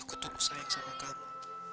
aku terus sayang sama kamu